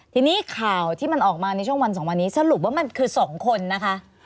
ทีนี้ข่าวที่มันออกมาในช่วงวันสองวันนี้สรุปว่ามันคือ๒คนนะคะ